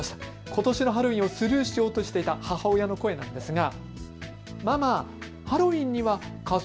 ことしのハロウィーンはスルーしようとしていた母親の声なんですが。